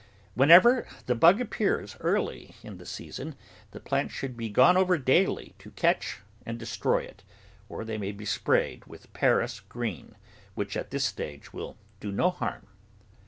Whenever the bug appears early in the season, the plants should be gone over daily to catch and destroy it, or they may be sprayed with Paris green, which at this stage will do no harm.